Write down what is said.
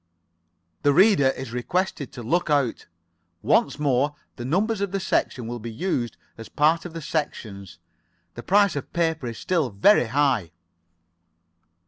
[Pg 86](The reader is requested to look out. Once more the numbers of the section will be used as a part of the sections. The price of paper is still very high.)